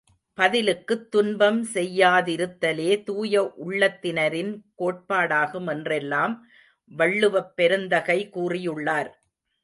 பதிலுக்குத் துன்பம் செய்யா திருத்தலே, தூய உள்ளத்தினரின் கோட்பாடாகும் என்றெல்லாம் வள்ளுவப் பெருந்தகை கூறியுள்ளார்.